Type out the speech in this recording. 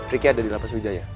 riki ada di lapas wijaya